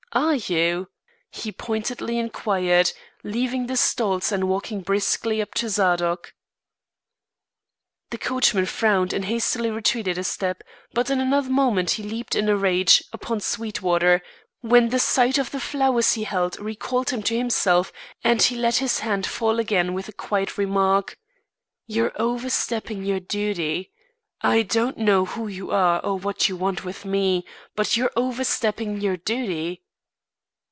Are you?" he pointedly inquired, leaving the stalls and walking briskly up to Zadok. The coachman frowned and hastily retreated a step; but in another moment he leaped in a rage upon Sweetwater, when the sight of the flowers he held recalled him to himself and he let his hand fall again with the quiet remark: "You're overstepping your dooty. I don't know who you are or what you want with me, but you're overstepping your dooty."